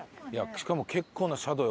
しかも結構な斜度よ